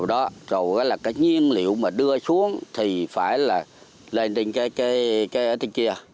rồi nhiên liệu đưa xuống thì phải lên trên kia